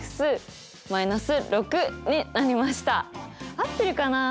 合ってるかな？